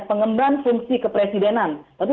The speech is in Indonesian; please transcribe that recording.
pengemban fungsi kepresidenan tapi